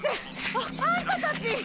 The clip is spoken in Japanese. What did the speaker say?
あっあんたたち！